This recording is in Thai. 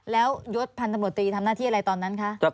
แล้วยศพันธมรตรีทำหน้าที่อะไรตอนนั้นคะ